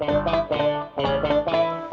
pertanyaan dari iva